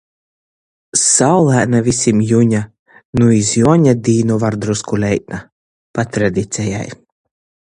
Saulaina vysim juņa. Nu, iz Juoņa dīnu var drusku leita, pa tradicejai.